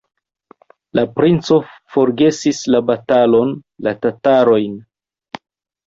La princo forgesis la batalon, la tatarojn.